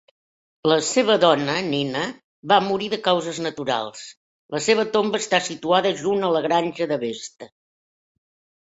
La seva dona, Nina, va morir de causes naturals; la seva tomba està situada junt a la granja de Vesta.